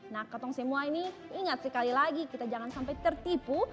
nah ketong semua ini ingat sekali lagi kita jangan sampai tertipu